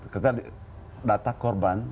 ketika data korban